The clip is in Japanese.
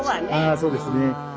あそうですね。